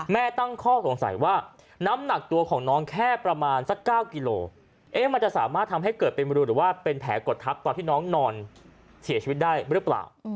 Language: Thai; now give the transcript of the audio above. ตั้งข้อสงสัยว่าน้ำหนักตัวของน้องแค่ประมาณสัก๙กิโลมันจะสามารถทำให้เกิดเป็นรูหรือว่าเป็นแผลกดทับตอนที่น้องนอนเสียชีวิตได้หรือเปล่า